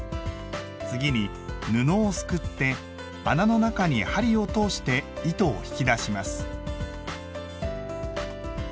次に布をすくって穴の中に針を通して糸を引き出します。